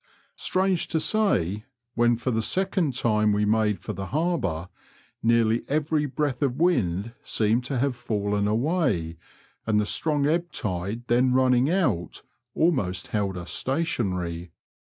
Strange to say, when for the second time we made for the Harbour, nearly every breath of wind seemed to have fallen away, and the Btrong ebb tide then running out almost held us stationary.